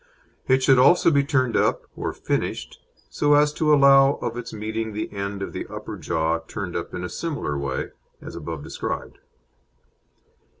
It should also be turned up or "finished," so as to allow of its meeting the end of the upper jaw turned up in a similar way, as above described.